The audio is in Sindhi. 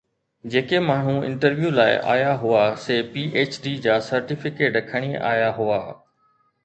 جيڪي ماڻهو انٽرويو لاءِ آيا هئا، سي پي ايڇ ڊي جا سرٽيفڪيٽ کڻي آيا هئا.